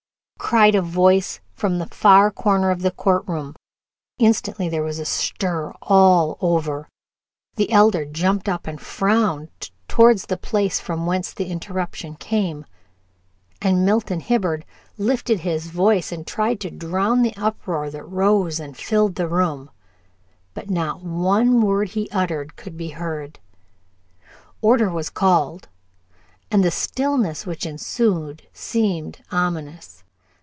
cried a voice from the far corner of the court room. Instantly there was a stir all over. The Elder jumped up and frowned toward the place from whence the interruption came, and Milton Hibbard lifted his voice and tried to drown the uproar that rose and filled the room, but not one word he uttered could be heard. Order was called, and the stillness which ensued seemed ominous.